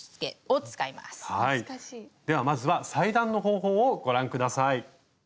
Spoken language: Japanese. ではまずは裁断の方法をご覧下さい。